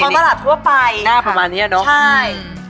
คลอดตลาดทั่วไปเนี่ยค่ะใช่